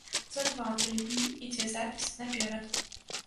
За два-тры дні ідзе запіс наперад.